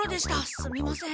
すみません。